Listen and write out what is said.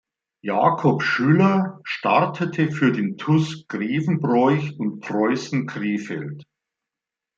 Jakob Schüller startete für den TuS Grevenbroich und Preussen Krefeld.